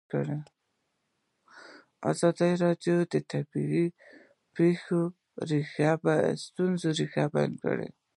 ازادي راډیو د طبیعي پېښې د ستونزو رېښه بیان کړې.